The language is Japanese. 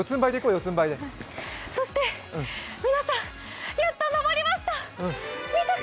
そして、皆さん、やっと登りました！